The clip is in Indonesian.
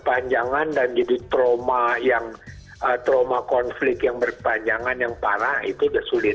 sehingga kecemasan yang berkepanjangan dan jadi trauma konflik yang berkepanjangan yang parah itu sudah sulit